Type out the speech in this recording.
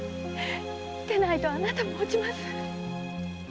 でないとあなたも落ちます。